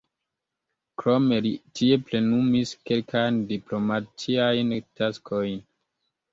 Krome li tie plenumis kelkajn diplomatiajn taskojn.